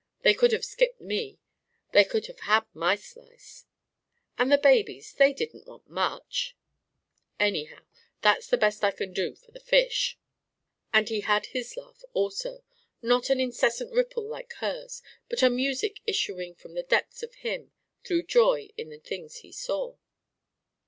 They could have skipped me! They could have had my slice! And the babies they didn't want much! Anyhow, that's the best I can do for the fish"; and he had his laugh also not an incessant ripple like hers, but a music issuing from the depths of him through joy in the things he saw.